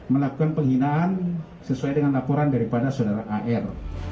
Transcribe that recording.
melakukan penghinaan sesuai dengan laporan daripada saudara ar